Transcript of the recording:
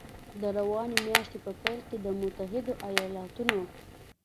د روانې میاشتې په پیل کې د متحدو ایالتونو